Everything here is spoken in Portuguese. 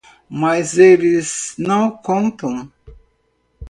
Mas eles não contam.